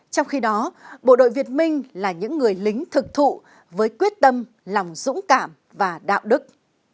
trong khi đó bộ đội việt minh là những người lính thực thụ với quyết tâm lòng dũng cảm và đạo đức